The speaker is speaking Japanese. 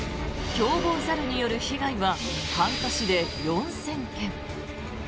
凶暴猿による被害は半年で４０００件。